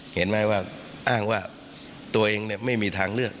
เห็นไหมว่าอ้างว่าตัวเองไม่มีทางเลือก